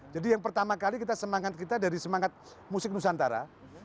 jadi yang pertama kali kita semangat kita dari semangat musik nusantara